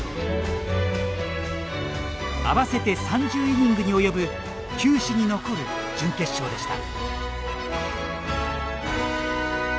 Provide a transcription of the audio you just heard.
合わせて３０イニングに及ぶ球史に残る準決勝でした。